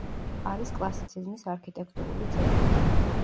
არის კლასიციზმის არქიტექტურული ძეგლი.